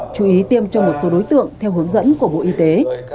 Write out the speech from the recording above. chú ý tiêm cho một số đối tượng theo hướng dẫn của bộ y tế